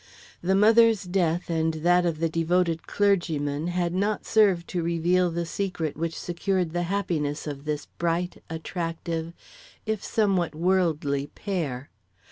The mother's death and that of the devoted clergyman had not served to reveal the secret which secured the happiness of this bright, attractive, if somewhat worldly, pair.